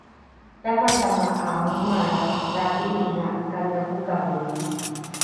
tamatama ’a omalra taadhi’inga kane pokavole